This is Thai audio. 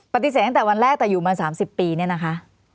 ปฏิเสธตั้งแต่วันแรกแต่อยู่มา๓๐ปีเนี่ยนะคะ